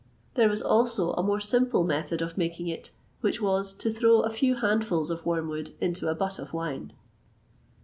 There was also a more simple method of making it, which was to throw a few handfuls of wormwood into a butt of wine.